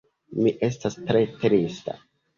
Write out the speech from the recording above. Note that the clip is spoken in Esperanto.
Mi estas tre trista.